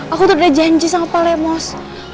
aku sudah janji sama pak lemos